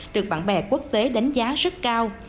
được bạn bè quốc tế đánh giá rất cao